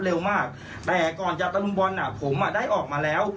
เร็วมากแต่ก่อนจะตะลุมบอลอ่ะผมอ่ะได้ออกมาแล้ว